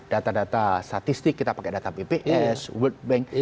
data data statistik kita pakai data bps world bank